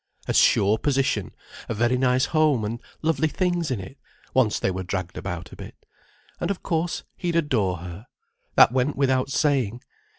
A sure position, a very nice home and lovely things in it, once they were dragged about a bit. And of course he'd adore her. That went without saying.